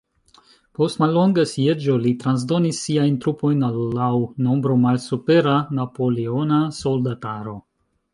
Post mallonga sieĝo, li transdonis siajn trupojn al la laŭ nombro malsupera napoleona soldataro.